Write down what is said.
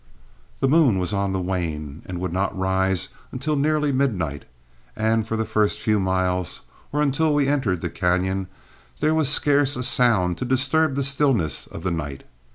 The moon was on the wane and would not rise until nearly midnight, and for the first few miles, or until we entered the cañon, there was scarce a sound to disturb the stillness of the night.